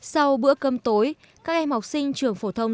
sau bữa cơm tối các em học sinh trường phổ thông